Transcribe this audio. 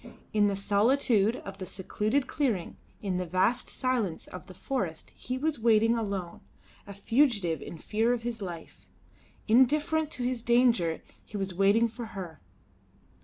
In the solitude of the secluded clearing, in the vast silence of the forest he was waiting alone, a fugitive in fear of his life. Indifferent to his danger he was waiting for her.